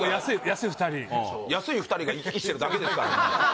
安い２人が行き来してるだけですからね